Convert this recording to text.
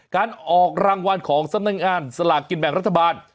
การออกรางวัลของสำนักงานสลากกินแบ่งรัฐบาล